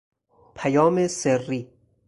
پیام سری